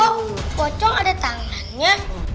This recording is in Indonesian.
kok pocong ada tangannya